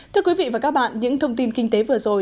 thưa quý vị và các bạn những thông tin kinh tế vừa rồi